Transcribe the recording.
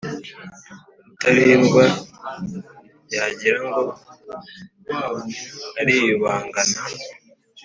Rutalindwa yagira ngo ariyubangana